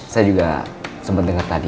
saya juga sempet denger tadi